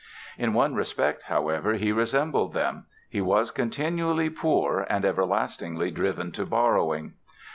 In one respect, however, he resembled them—he was continually poor and everlastingly driven to borrowing.